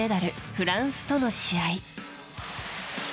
フランスとの試合。